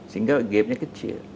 sehingga gapnya kecil